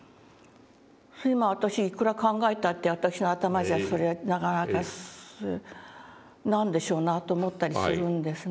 それまあ私いくら考えたって私の頭じゃそれなかなか「何でしょうな？」と思ったりするんですね。